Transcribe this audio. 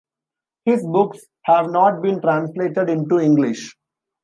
His books have not been translated into English.